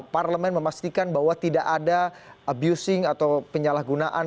parlemen memastikan bahwa tidak ada abusing atau penyalahgunaan